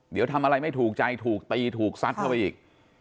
เดี๋ยวทำอะไรไม่ถูกใจถูกตีถูกซัดเข้าไปอีก